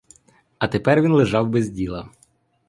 А тепер він лежав без діла.